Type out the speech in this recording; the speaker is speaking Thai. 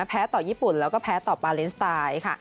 แพ้ต่อญี่ปุ่นแล้วก็แพ้ต่อบาเลนส์ไทย